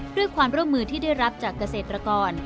ด้วยความร่วมมือที่ได้รับจากเกษตรกร